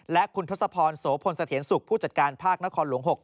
และคุณทศพรโสพลเสถียรสุขผู้จัดการภาคนครหลวง๖